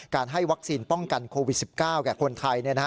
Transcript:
ให้วัคซีนป้องกันโควิด๑๙แก่คนไทย